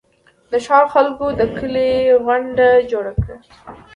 د ښار خلکو د کلي غونډه جوړه کړه.